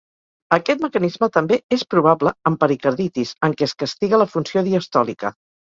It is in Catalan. Aquest mecanisme també és probable amb pericarditis, en què es castiga la funció diastòlica.